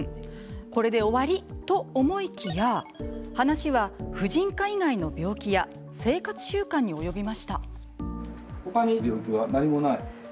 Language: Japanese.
これで終わりと思いきや話は婦人科以外の病気や生活習慣に及びました。